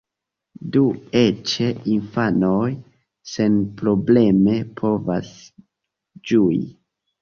Do eĉ infanoj senprobleme povas ĝui.